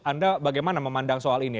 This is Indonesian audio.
anda bagaimana memandang soal ini